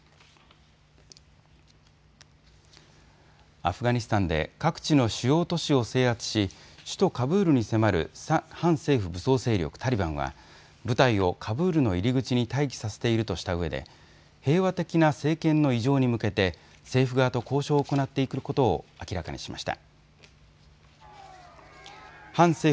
アフガニスタンで各地の主要都市を制圧し、首都カブールに迫る反政府武装勢力タリバンは部隊をカブールの入り口に待機させているとしたうえで平和的な政権の移譲に向けて政府側と交渉を行っていくことを明らかにしました。